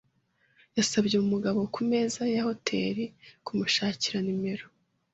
Yasabye umugabo ku meza ya hoteri kumushakira nimero.